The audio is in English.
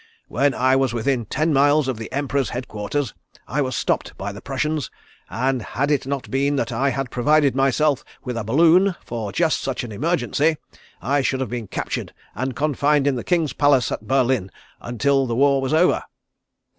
When I was within ten miles of the Emperor's headquarters, I was stopped by the Prussians, and had it not been that I had provided myself with a balloon for just such an emergency, I should have been captured and confined in the King's palace at Berlin, until the war was over.